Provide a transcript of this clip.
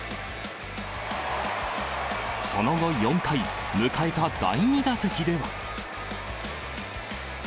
その後、４回、迎えた第２打席では。